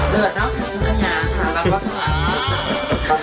เลือดเนอะค่ะสังขยะค่ะรับรับค่ะ